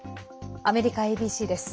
アメリカＡＢＣです。